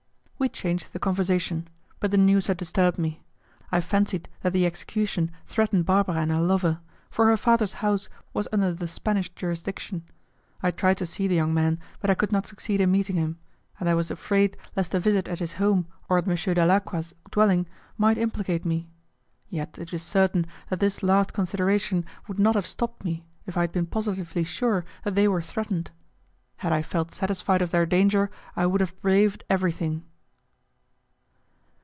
We changed the conversation, but the news had disturbed me. I fancied that the execution threatened Barbara and her lover, for her father's house was under the Spanish jurisdiction. I tried to see the young man but I could not succeed in meeting him, and I was afraid lest a visit at his home or at M. Dalacqua's dwelling might implicate me. Yet it is certain that this last consideration would not have stopped me if I had been positively sure that they were threatened; had I felt satisfied of their danger, I would have braved everything.